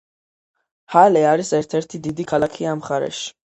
ჰალე არის ერთ-ერთი დიდი ქალაქი ამ მხარეში.